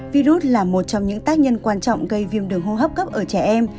virus là một trong những tác nhân quan trọng gây viêm đường hô hấp cấp ở trẻ em